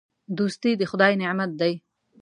دوستي د خدای نعمت دی.